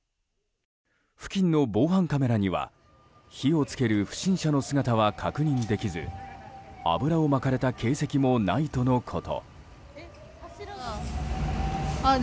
付近の防犯カメラには火を付ける不審者の姿は確認できず油をまかれた形跡もないとのこと。